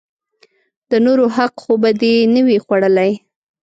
د نورو حق خو به دې نه وي خوړلئ!